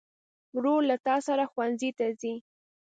ورور له تا سره ښوونځي ته ځي.